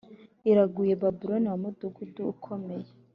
iraguye! Baburoni wa mudugudu ukomeye,